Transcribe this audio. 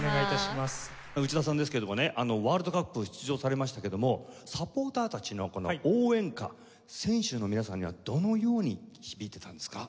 内田さんですけどもねワールドカップ出場されましたけどもサポーターたちの応援歌選手の皆さんにはどのように響いていたんですか？